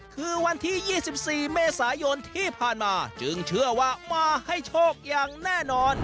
คือวันที่๒๔เมษายนที่ผ่านมาจึงเชื่อว่ามาให้โชคอย่างแน่นอน